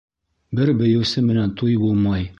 Бер бейеүсе менән туй булмай.